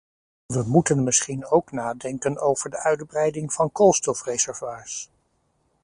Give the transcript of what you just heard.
We moeten misschien ook nadenken over de uitbreiding van koolstofreservoirs.